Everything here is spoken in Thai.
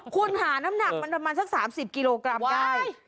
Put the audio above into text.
คุณหาน้ำหนักมันประมาณสัก๓๐กิโลกรัมได้